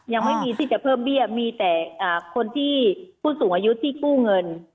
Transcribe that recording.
ยังไม่มีที่จะเพิ่มเบี้ยมีแต่คนที่ผู้สูงอายุที่กู้เงิน